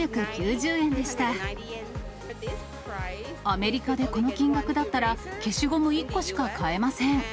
アメリカでこの金額だったら、消しゴム１個しか買えません。